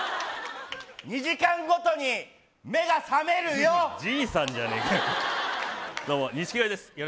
２時間ごとに目が覚めるよじいさんじゃねえかよ